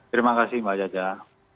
terima kasih mbak jajah